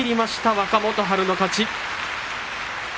若元春の勝ち。